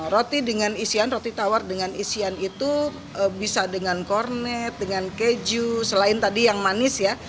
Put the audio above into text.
roti dengan isian roti tawar dengan isian itu bisa dengan kornet dengan keju selain tadi yang manis ya